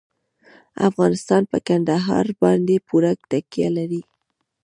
افغانستان په کندهار باندې پوره تکیه لري.